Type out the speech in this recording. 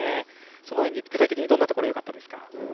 その演技、具体的にどんなところがよかったですか？